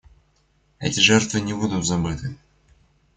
Эти жертвы не будут забыты.